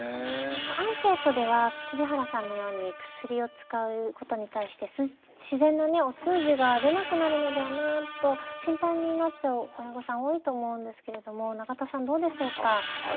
アンケートでは黍原さんのように薬を使うことに対して自然なねお通じが出なくなるのではと心配になっちゃう親御さん多いと思うんですけれども永田さんどうでしょうか？